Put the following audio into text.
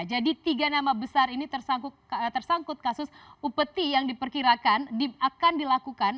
jadi tiga nama besar ini tersangkut kasus upeti yang diperkirakan akan dilakukan